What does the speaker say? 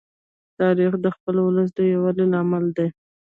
تاریخ د خپل ولس د یووالي لامل دی.